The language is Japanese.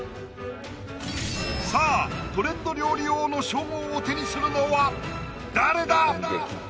さあトレンド料理王の称号を手にするのは誰だ